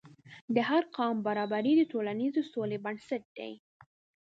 د هر قوم برابري د ټولنیزې سولې بنسټ دی.